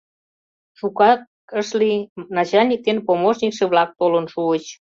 Шукак ыш лий — начальник ден помощникше-влак толын шуыч.